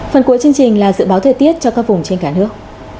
phần cuối chương trình là dự báo thời tiết cho các vùng trên cả nước